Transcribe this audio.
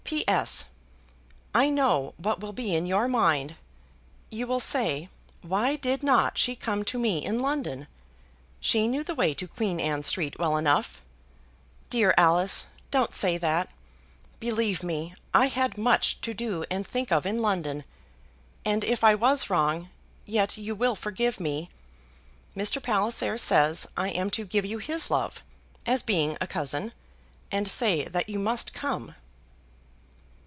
P.S. I know what will be in your mind. You will say, why did not she come to me in London? She knew the way to Queen Anne Street well enough. Dear Alice, don't say that. Believe me, I had much to do and think of in London. And if I was wrong, yet you will forgive me. Mr. Palliser says I am to give you his love, as being a cousin, and say that you must come!